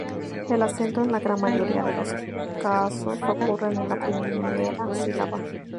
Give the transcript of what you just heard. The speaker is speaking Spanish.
El acento en la gran mayoría de los casos ocurre en la primera sílaba.